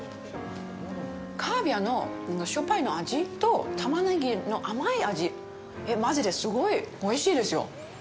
キャビアのしょっぱい味とタマネギの甘い味、マジですごいおいしいですよ。